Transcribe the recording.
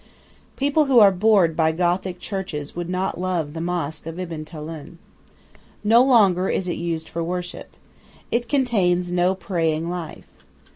People who are bored by Gothic churches would not love the mosque of Ibn Tulun. No longer is it used for worship. It contains no praying life.